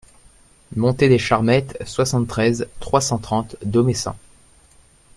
Montée des Charmettes, soixante-treize, trois cent trente Domessin